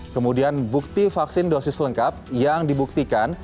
kemudian bukti vaksin dosis lengkap yang dibuktikan